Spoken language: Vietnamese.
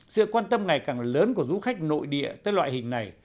sự quan tâm ngày càng lớn của du khách nội địa tới loại hình này